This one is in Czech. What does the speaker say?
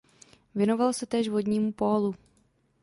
Věnoval se též vodnímu pólu.